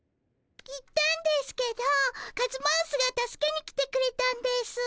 行ったんですけどカズマウスが助けに来てくれたんですぅ。